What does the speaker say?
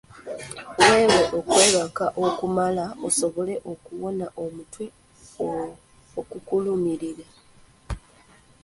Weewe okwebaka okumala osobole okuwona omutwe okukulumirira.